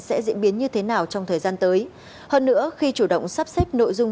sẽ diễn biến như thế nào trong thời gian tới hơn nữa khi chủ động sắp xếp nội dung